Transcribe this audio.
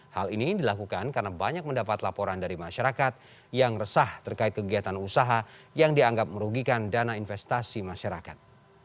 hal ini dilakukan karena banyak mendapat laporan dari masyarakat yang resah terkait kegiatan usaha yang dianggap merugikan dana investasi masyarakat